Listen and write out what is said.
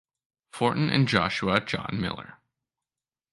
Fortin and Joshua John Miller.